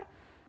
pada pagi ini